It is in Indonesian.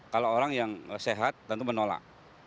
kalau orang yang sehat tentu menolak